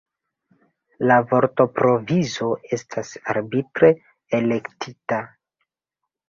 La vortprovizo estas arbitre elektita.